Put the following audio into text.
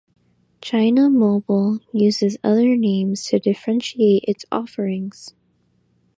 China Mobile uses other names to differentiate its offerings.